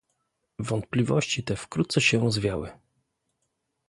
Wątpliwości te wkrótce się rozwiały